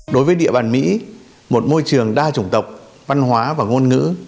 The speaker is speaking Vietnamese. đối với địa bàn mỹ một môi trường đa chủng tộc văn hóa và ngôn ngữ